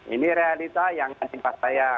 ini realita yang menimpa saya